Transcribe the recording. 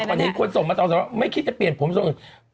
ดีน่ะกินของออร์แกนิคก็สงสารผู้ประกอบการไม่อยากไปซ้ำเติมอะไรแข็งแด๋ว